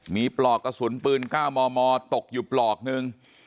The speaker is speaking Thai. มีปลอกกระสุนปืน๙มมตกอยู่ปลอกนึง